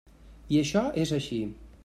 I això és així.